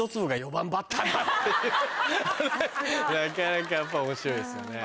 なかなかやっぱ面白いですよね。